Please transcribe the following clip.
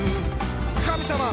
「神様！」